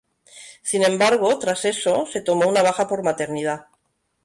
Sin embargo, tras eso, se tomó una baja por maternidad.